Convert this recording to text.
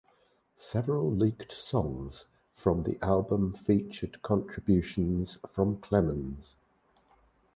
Several leaked songs from the album featured contributions from Clemons.